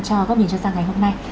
cho góc nhìn chuyên gia ngày hôm nay